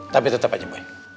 tapi tetap aja boy